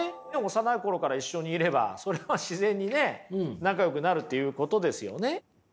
幼い頃から一緒にいればそれは自然にね仲よくなるっていうことですよね。